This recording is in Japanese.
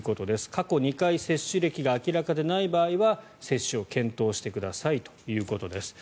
過去２回接種歴が明らかでない場合は接種を検討してくださいということです。